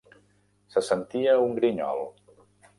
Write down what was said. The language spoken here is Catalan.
Se sentia un grinyol.